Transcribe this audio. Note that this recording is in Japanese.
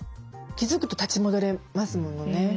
気づくと立ち戻れますものね。